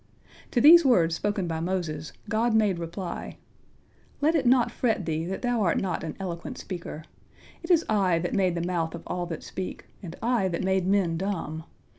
To these words spoken by Moses, God made reply: "Let it not fret thee that thou art not an eloquent speaker. It is I that made the mouth of all that speak, and I that made men dumb.